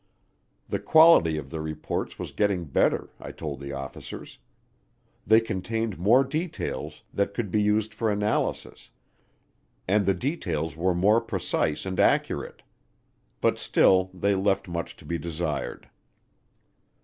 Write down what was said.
The quality of the reports was getting better, I told the officers; they contained more details that could be used for analysis and the details were more precise and accurate. But still they left much to be desired.